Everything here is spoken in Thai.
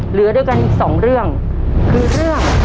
เหลือด้วยกันอีก๒เรื่องคือ